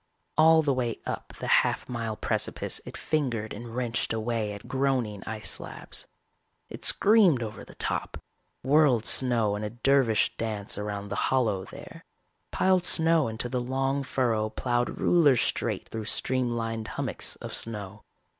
All the way up the half mile precipice it fingered and wrenched away at groaning ice slabs. It screamed over the top, whirled snow in a dervish dance around the hollow there, piled snow into the long furrow plowed ruler straight through streamlined hummocks of snow.